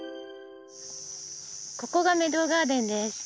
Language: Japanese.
ここがメドウガーデンです。